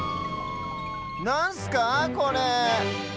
なんすかこれ？